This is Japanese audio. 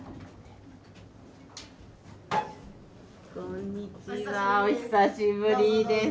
こんにちはお久しぶりです。